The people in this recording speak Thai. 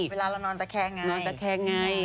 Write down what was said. เวลาเรานอนจะแค้งง่าย